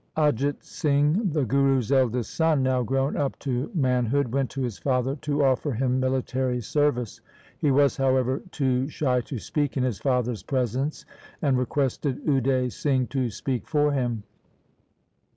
Ajit Singh, the Guru's eldest son, now grown up to manhood, went to his father to offer him military service. He was, however, too shy to speak in his father's presence, and requested Ude Singh to speak for him.